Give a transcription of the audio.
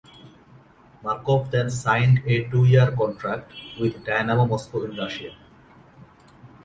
Markov then signed a two-year contract with Dynamo Moscow in Russia.